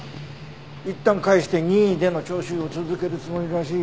いったん帰して任意での聴取を続けるつもりらしいよ。